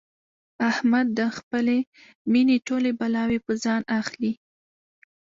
احمد د خپلې مینې ټولې بلاوې په ځان اخلي.